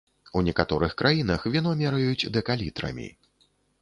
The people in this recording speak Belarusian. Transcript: У некаторых краінах віно мераюць дэкалітрамі.